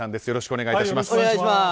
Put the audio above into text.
よろしくお願いします。